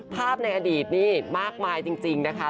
ภาพในอดีตนี่มากมายจริงนะคะ